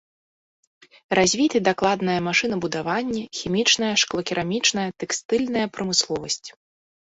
Развіты дакладнае машынабудаванне, хімічная, шклокерамічная, тэкстыльная прамысловасць.